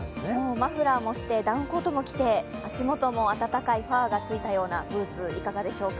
マフラーもしてダウンコートも着て足元も暖かいファーがついたようなブーツはいかがでしょうか。